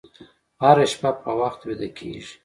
هره شپه په وخت ویده کېږئ.